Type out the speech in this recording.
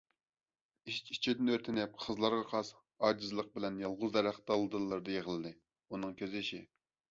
ئىچ-ئىچىدىن ئۆرتىنىپ قىزلارغا خاس ئاجىزلىق بىلەن يالغۇز دەرەخ دالدىلىرىدا يىغلىدى. ئۇنىڭ كۆز يېشى،